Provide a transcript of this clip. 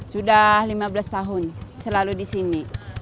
sudah lima belas tahun selalu di sini